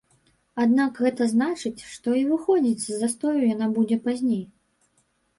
Аднак гэта значыць, што і выходзіць з застою яна будзе пазней.